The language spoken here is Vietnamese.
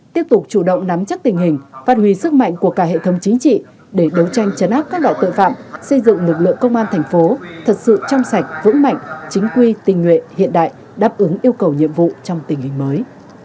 tiếp tục chủ động nắm chắc tình hình phát huy sức mạnh của cả hệ thống chính trị để đấu tranh chấn áp các loại tội phạm xây dựng lực lượng công an thành phố thật sự trong sạch vững mạnh chính quy tình nguyện hiện đại đáp ứng yêu cầu nhiệm vụ trong tình hình mới